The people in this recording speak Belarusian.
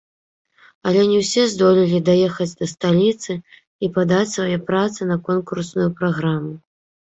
Але не ўсе здолелі даехаць да сталіцы і падаць свае працы на конкурсную праграму.